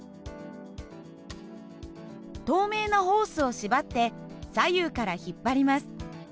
透明なホースを縛って左右から引っ張ります。